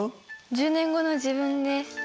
１０年後の自分です。